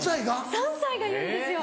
３歳が言うんですよ。